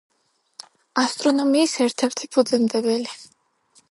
ასტრონომიის ერთ-ერთი ფუძემდებელი.